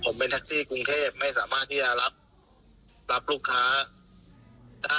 ผมเป็นแท็กซี่กรุงเทพไม่สามารถที่จะรับรับลูกค้า